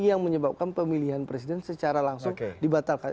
yang menyebabkan pemilihan presiden secara langsung dibatalkan